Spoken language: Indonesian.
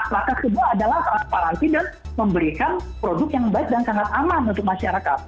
langkah kedua adalah transparansi dan memberikan produk yang baik dan sangat aman untuk masyarakat